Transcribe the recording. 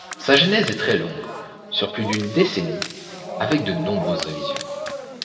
Sa genèse est très longue, sur plus d'une décennie, avec de nombreuses révisions.